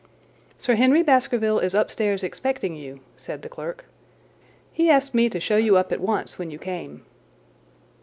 "Sir Henry Baskerville is upstairs expecting you," said the clerk. "He asked me to show you up at once when you came."